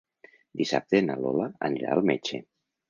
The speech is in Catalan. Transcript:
Dissabte na Lola anirà al metge.